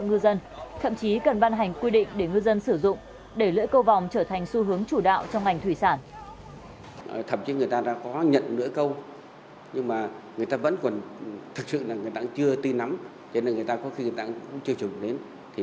ngư dân thậm chí cần ban hành quy định để ngư dân sử dụng để lễ cầu vòng trở thành xu hướng chủ đạo trong ngành thủy sản